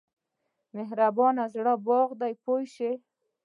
مهربان زړه باغ دی پوه شوې!.